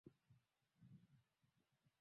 Jicho la London ambalo sasa linajumuisha vituo vya